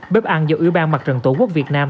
bếp ăn do ủy ban mặt trận tổ quốc việt nam